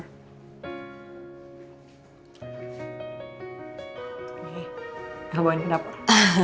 nih gabungin ke dapur